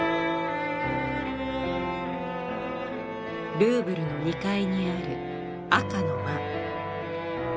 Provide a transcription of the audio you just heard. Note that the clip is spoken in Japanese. ルーブルの２階にある赤の間。